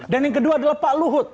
dan yang kedua adalah pak luhut